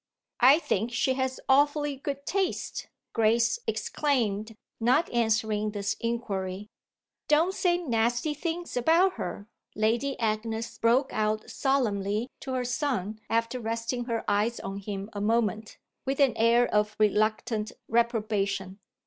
"I think she has awfully good taste!" Grace exclaimed, not answering this inquiry. "Don't say nasty things about her!" Lady Agnes broke out solemnly to her son after resting her eyes on him a moment with an air of reluctant reprobation.